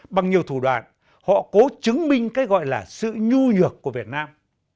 bằng nhiều thủ đoạn họ cố chứng minh cái gọi là sự nhu nhược của việt nam